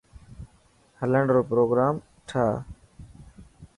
هلڻ رو پروگرام ٺاهه.